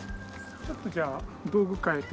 ちょっとじゃあ道具変えて。